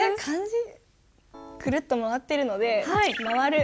くるっと回ってるので「回」。